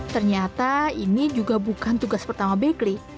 ternyata ini juga bukan tugas pertama backgly